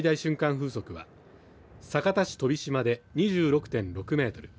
風速は酒田市飛島で２６．６メートル